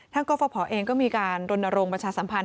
ทางกรภพเองก็มีการดนโรงประชาสัมพันธ์